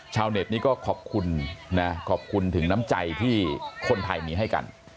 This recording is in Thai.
ชาวเน็ตนี้ก็ขอบคุณนะขอบคุณถึงน้ำใจที่คนไทยมีให้กัน